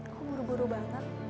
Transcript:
kok buru buru banget